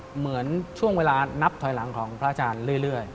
เหมือนช่วงเวลานับถอยหลังของพระอาจารย์เรื่อย